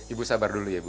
ibu sabar dulu ya bu